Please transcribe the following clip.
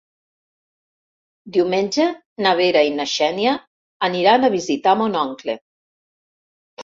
Diumenge na Vera i na Xènia aniran a visitar mon oncle.